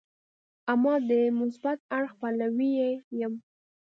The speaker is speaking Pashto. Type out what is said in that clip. اما د مثبت اړخ پلوی یې یم.